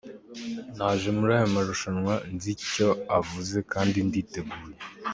Naje muri aya marushanwa nzi icyo avuze kandi nditeguye.